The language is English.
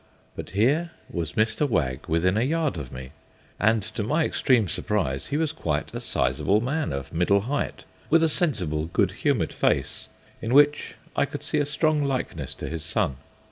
But here was Mr. Wag within a yard of me, and to my extreme surprise he was quite a sizeable man of middle height, with a sensible, good humoured face, in which I could see a strong likeness to his son.